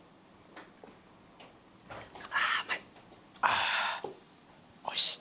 あおいしい。